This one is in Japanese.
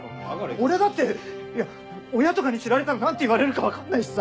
俺だって親とかに知られたら何て言われるか分かんないしさ。